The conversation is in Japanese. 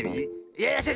いやいや！